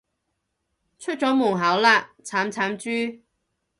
出咗門口喇，慘慘豬